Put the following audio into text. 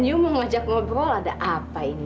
yuk mau ngajak ngobrol ada apa ini